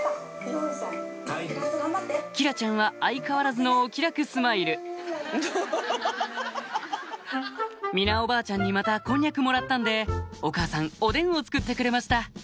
姫楽ちゃんは相変わらずのお気楽スマイルみなおばあちゃんにまたこんにゃくもらったんでお母さんおでんを作ってくれました